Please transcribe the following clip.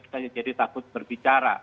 kita jadi takut berbicara